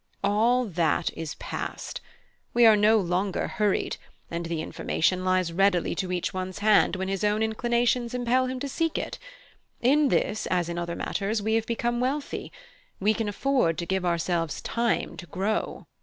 All that is past; we are no longer hurried, and the information lies ready to each one's hand when his own inclinations impel him to seek it. In this as in other matters we have become wealthy: we can afford to give ourselves time to grow."